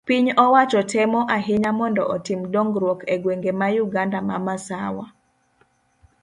piny owacho temo ahinya mondo otim dongruok e gwenge ma Uganda ma Masawa